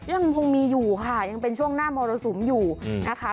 ยังคงมีอยู่ค่ะยังเป็นช่วงหน้ามรสุมอยู่นะคะ